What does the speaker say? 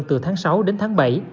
từ tháng sáu đến tháng bảy